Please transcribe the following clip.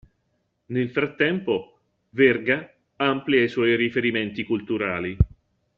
Nel frattempo, Verga amplia i suoi riferimenti culturali.